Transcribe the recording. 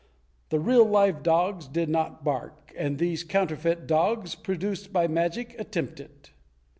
The real, live dogs did not bark, and these counterfeit dogs produced by magic attempt it!"